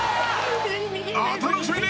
・お楽しみに！